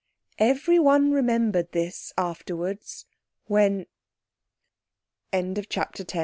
Everyone remembered this afterwards, when— CHAPTER XI.